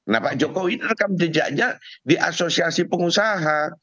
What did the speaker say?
nah pak jokowi itu rekam jejaknya di asosiasi pengusaha